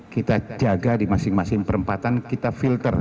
kita jaga di masing masing perempatan kita filter